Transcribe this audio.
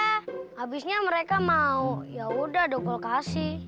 habisnya mereka mau ya udah dokol kasih